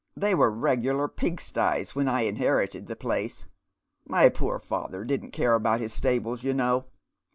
They were regular pigsties when I inherited the place. My poor father didn't care about his stables, you know.